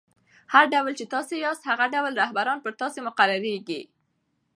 هر ډول، چي تاسي یاست؛ هغه ډول رهبران پر تاسي مقررېږي.